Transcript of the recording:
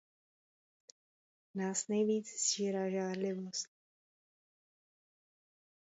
Nás nejvíc sžírá žárlivost.